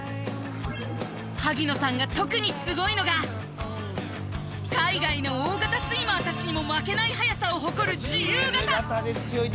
萩野さんが特にすごいのが海外の大型スイマーたちにも負けない速さを誇る自由形！